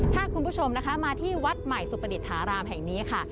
ถ้าคุณผู้ชมนะคะมาที่วัดใหม่สุปดิษฐารามแห่งนี้ค่ะ